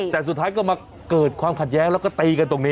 แต่สุดท้ายก็มาเกิดความขัดแย้งแล้วก็ตีกันตรงนี้